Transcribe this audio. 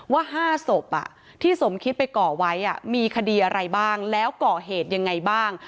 ว่า๕ศพที่สมคิดไปก่อไว้มีคดีอะไรบ้างแล้วก่อเหตุยังไงบ้าง